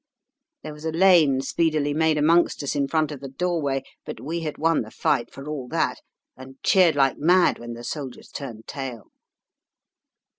There was a lane speedily made amongst us in front of the doorway; but we had won the fight for all that, and cheered like mad when the soldiers turned tail.